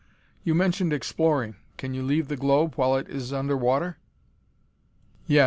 "You mentioned exploring. Can you leave the globe while it is under water?" "Yes.